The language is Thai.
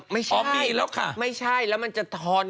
ไม่ใช่แล้วมันจะทอน